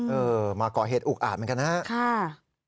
เออมาก่อเหตุอุกอาจเหมือนกันนะครับ